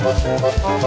kok buru buru sih tin